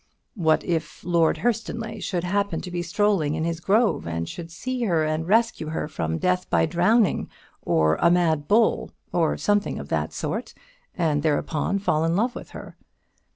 What if Lord Hurstonleigh should happen to be strolling in his grove, and should see her and rescue her from death by drowning, or a mad bull, or something of that sort, and thereupon fall in love with her?